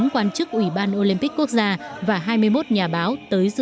bốn quan chức ủy ban olympic quốc gia và hai mươi một nhà báo tới dự